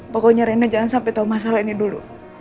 pokoknya rena jangan sampai tau masalah ini dulu